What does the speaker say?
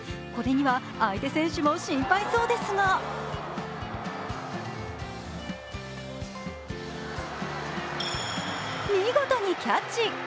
これには相手選手も心配そうですが見事にキャッチ。